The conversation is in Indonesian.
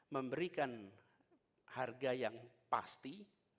memberikan harga yang pasti